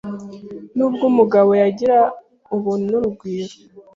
N’ubwo umugabo yagira ubuntu n’urugwiro,